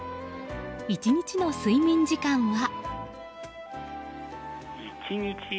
１日の睡眠時間は。